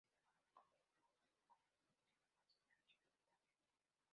Sin embargo, la compañía continuó con la disposición opuesta en H del Dagger.